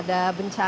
tidak ada bencana